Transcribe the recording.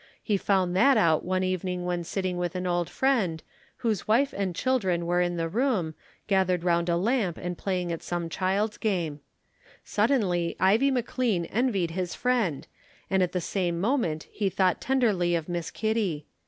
He found that out one evening when sitting with an old friend, whose wife and children were in the room, gathered round a lamp and playing at some child's game. Suddenly Ivie McLean envied his friend, and at the same moment he thought tenderly of Miss Kitty.